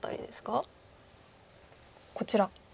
こちら。